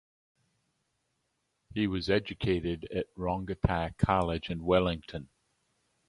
He was educated at Rongotai College in Wellington.